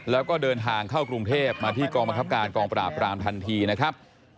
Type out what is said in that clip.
แล้วก็เดินทางเข้ากรุงเทพมาที่กองบังคับการกองปราบรามทันทีนะครับ